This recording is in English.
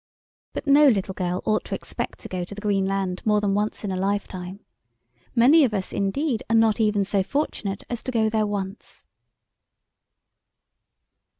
But no little girl ought to expect to go to the Green Land more than once in a lifetime. Many of us indeed are not even so fortunate as to go there once.